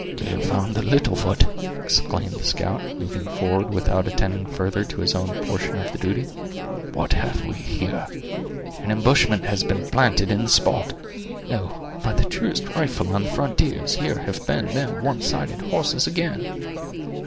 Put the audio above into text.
"They have found the little foot!" exclaimed the scout, moving forward, without attending further to his own portion of the duty. "What have we here? An ambushment has been planted in the spot! No, by the truest rifle on the frontiers, here have been them one sided horses again!